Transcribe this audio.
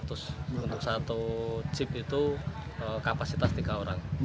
untuk satu chip itu kapasitas tiga orang